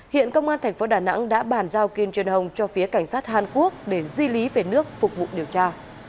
hiện công an thành phố đà nẵng đã bàn giao kim jen hong cho phía cảnh sát hàn quốc để di lý về nước phục vụ điều tra